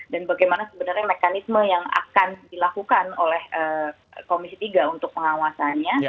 dan bagaimana sebenarnya mekanisme yang akan dilakukan